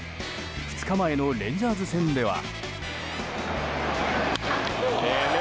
２日前のレンジャーズ戦では。